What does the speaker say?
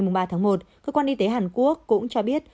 ngày ba tháng một cơ quan y tế hàn quốc cũng cho biết